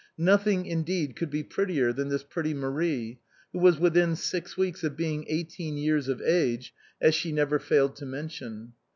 Nothing, indeed, could be prettier than this pretty Marie, who was within six weeks of being eigh teen years of age, as she never failed to mention.